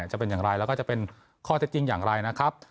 จะเป็นอย่างไรแล้วก็จะเป็นข้อเท็จจริงอย่างไรนะครับ